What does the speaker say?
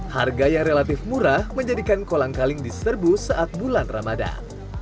harga yang relatif murah menjadikan kolang kaling diserbu saat bulan ramadan